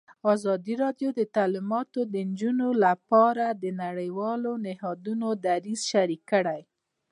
ازادي راډیو د تعلیمات د نجونو لپاره د نړیوالو نهادونو دریځ شریک کړی.